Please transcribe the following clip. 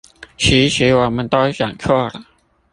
其實我們都想錯了！